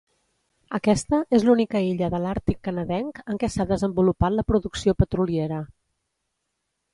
Aquesta és l'única illa de l'àrtic canadenc en què s'ha desenvolupat la producció petroliera.